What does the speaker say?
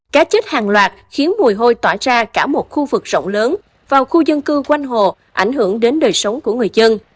cá chết hàng loạt khiến mùi hôi tỏa ra cả một khu vực rộng lớn vào khu dân cư quanh hồ ảnh hưởng đến đời sống của người dân